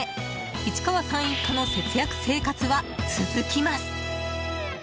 市川さん一家の節約生活は続きます。